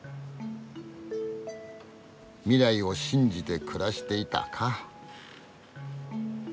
未来を信じて暮らしていたか。